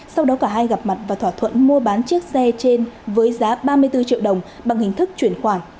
sau đó cả hai gặp mặt và thỏa thuận mua bán chiếc xe trên với giá ba mươi bốn triệu đồng bằng hình thức chuyển khoản